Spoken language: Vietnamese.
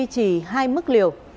chỉ hai mức liều